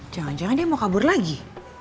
jangan jangan dia mau kabur lagi